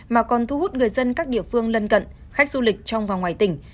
mà còn thu hút người dân các địa phương lân cận khách du lịch trong và ngoài tỉnh